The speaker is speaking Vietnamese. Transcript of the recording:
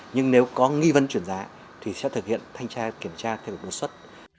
nhưng nếu có nghi vấn triển giá thì sẽ thực hiện thanh tra kiểm tra theo một bộ xuất